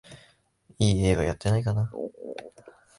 いい映画やってないかなあ